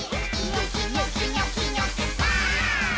「ニョキニョキニョキニョキバーン！」